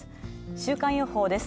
週間予報です。